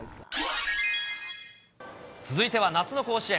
続いては夏の甲子園。